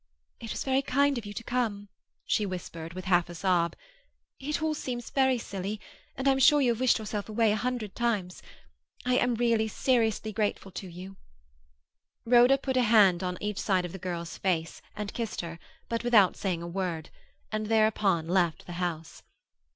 "It was very kind of you to come," she whispered, with half a sob. "It all seems very silly, and I'm sure you have wished yourself away a hundred times. I am really, seriously, grateful to you." Rhoda put a hand on each side of the girl's face, and kissed her, but without saying a word; and thereupon left the house.